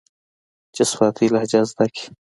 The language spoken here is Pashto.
چې سواتي لهجه زده کي.